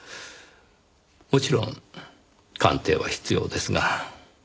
もちろん鑑定は必要ですが。